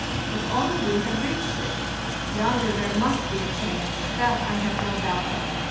If only we had reached it! Yonder there must be a change; that I have no doubt of.